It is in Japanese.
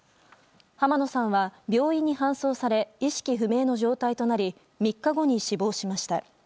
浜野さんは病院に搬送され意識不明の状態となり３日後に死亡しました。